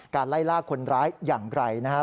การไล่ลากคนร้ายอย่างไกลนะครับ